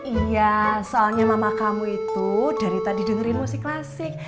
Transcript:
iya soalnya mama kamu itu dari tadi dengerin musik klasik